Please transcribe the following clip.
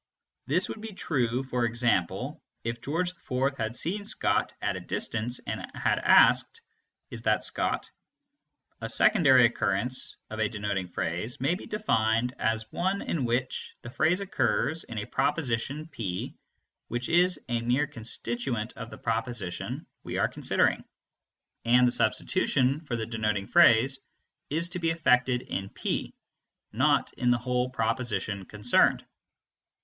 This would be true, for example, if George IV had seen Scott at a distance, and had asked "Is that Scott?" A secondary occurrence of a denoting phrase may be defined as one in which the phrase occurs in a proposition p which is a mere constituent of the proposition we are considering, and the substitution for the denoting phrase is to be effected in p, and not in the whole proposition concerned.